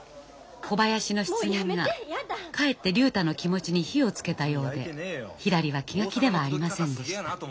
小林の質問がかえって竜太の気持ちに火をつけたようでひらりは気が気ではありませんでした。